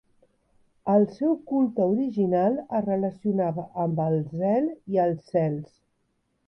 El seu culte original es relacionava amb el zel i els cels.